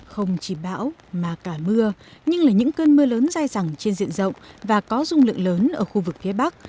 không chỉ bão mà cả mưa nhưng là những cơn mưa lớn dài dẳng trên diện rộng và có dung lượng lớn ở khu vực phía bắc